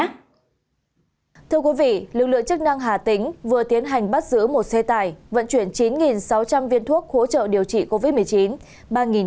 lực lượng chức năng hạ tính vừa tiến hành bắt giữ một xe tải vận chuyển chín sáu trăm linh viên thuốc hỗ trợ điều trị covid một mươi chín